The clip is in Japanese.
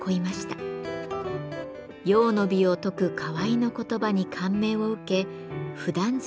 「用の美」を説く河井の言葉に感銘を受けふだん使いの器作りを決意します。